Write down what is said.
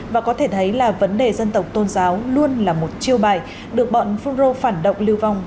và có thể thấy là vấn đề dân tộc tôn giáo luôn là một chiêu bài được bọn phunro phản động lưu vong